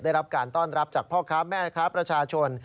ได้รับการต้อนรับจากพ่อค้าแม่ค้าประชาชน